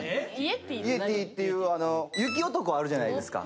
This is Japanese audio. イエティっていうあの雪男あるじゃないですか。